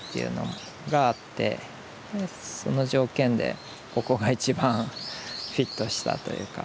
その条件でここが一番フィットしたというか。